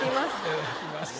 頂きます。